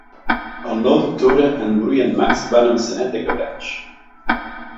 El nou d'octubre en Bru i en Max van a Maçanet de Cabrenys.